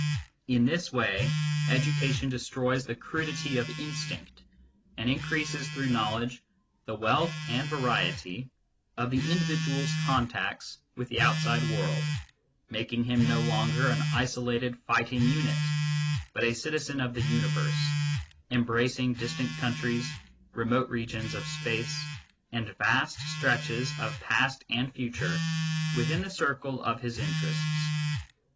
In this way SCIENCE AND CULTURE 39 education destroys the crudity of instinct, and increases through knowledge the wealth and variety of the indi vidual s contacts with the outside world, making him no longer an isolated righting unit, but a citizen of the universe, embracing distant countries, remote regions of space, and vast stretches of past and future within the circle of his interests.